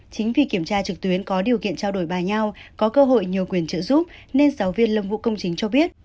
chính vì kiểm tra trực tuyến có điều kiện trao đổi bài nhau có cơ hội nhờ quyền trợ giúp nên giáo viên lâm vũ công chính cho biết